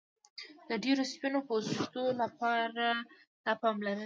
د ډیرو سپین پوستو لپاره هم دا پلرنی ځای دی